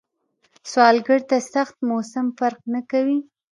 سوالګر ته سخت موسم فرق نه کوي